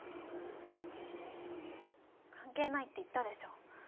関係ないって言ったでしょ。